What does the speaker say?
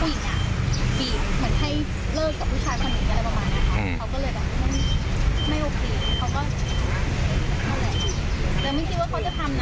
ไม่ไม่โอเคเขาก็แล้วไม่คิดว่าเขาจะทำนะ